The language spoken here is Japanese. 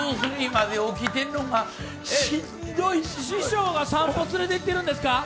「ｎｅｗｓ２３」まで起きてるのがしんどくて師匠が散歩連れてってるんですか。